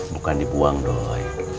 bukan dibuang doi